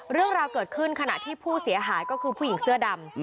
เรื่องราวเกิดขึ้นขณะที่ผู้เสียหายก็คือผู้หญิงเสื้อดำ